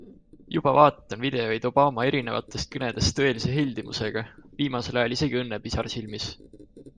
Juba vaatan videoid Obama erinevatest kõnedest tõelise heldimusega, viimasel ajal isegi õnnepisar silmis.